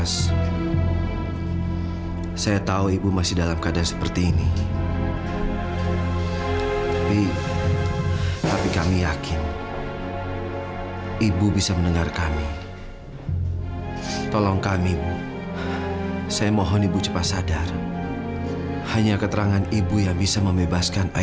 sampai jumpa di video selanjutnya